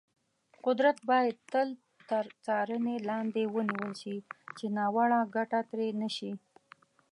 قدرت باید تل تر څارنې لاندې ونیول شي، چې ناوړه ګټه ترې نه شي.